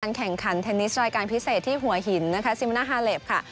แข่งขันเทนนิสรายการพิเศษที่หัวหินนะคะซิมนาฮาเลปค่ะ